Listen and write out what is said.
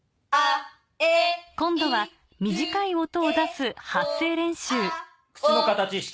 今度は短い音を出す発声練習口の形意識。